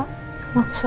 kamu udah makan